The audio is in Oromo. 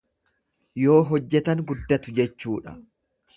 Yoo hojjetan guddatu jechuudha.